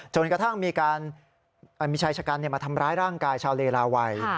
จนกระทั่งมีการมีชายชะกันมาทำร้ายร่างกายชาวเลลาวัย